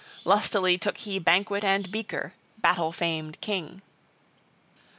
Lustily took he banquet and beaker, battle famed king.